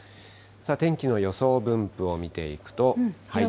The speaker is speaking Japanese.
天気の予想分布を見ていくと。